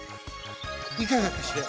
いかがかしら。